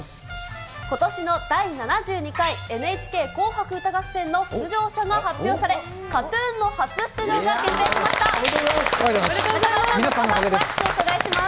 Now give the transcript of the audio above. ことしの第７２回ＮＨＫ紅白歌合戦の出場者が発表され、ＫＡＴーＴＵＮの初出場が決定しおめでとうございます。